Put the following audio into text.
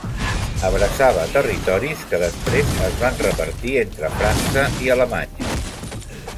Abraçava territoris que després es van repartir entre França i Alemanya.